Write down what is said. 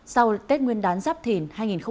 sau tết nguyên đán giáp thìn hai nghìn hai mươi bốn